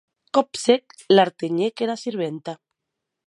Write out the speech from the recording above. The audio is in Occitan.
Còp sec, l'artenhec era sirventa.